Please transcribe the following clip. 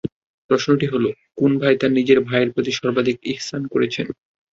প্রশ্নটি হলো, কোন ভাই তার নিজের ভাইয়ের প্রতি সর্বাধিক ইহসান করেছেন?